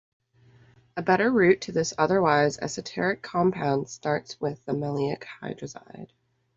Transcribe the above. A better route to this otherwise esoteric compound starts with the maleic hydrazide.